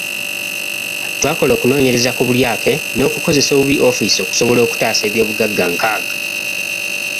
Twakola okunoonyereza ku bulyake n’okukozesa obubi ofiisi okusobola okutaasa ebyobugagga nkaaga.